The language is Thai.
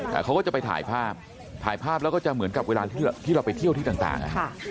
เขาก็จะไปถ่ายภาพถ่ายภาพแล้วก็จะเหมือนกับเวลาที่เราไปเที่ยวที่ต่างต่างอ่ะค่ะ